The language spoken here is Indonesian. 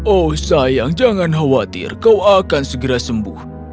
oh sayang jangan khawatir kau akan segera sembuh